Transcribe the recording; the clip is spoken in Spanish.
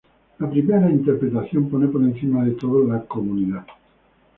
La primera interpretación pone por encima de todo la comunidad.